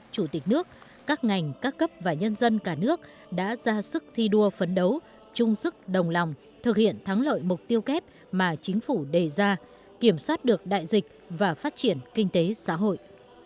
chủ tịch nước các ngành các cấp và nhân dân cả nước đã ra sức thi đua phấn đấu chung sức đồng lòng thực hiện thắng lợi mục tiêu kép mà chính phủ đề ra kiểm soát được đại dịch và phát triển kinh tế xã hội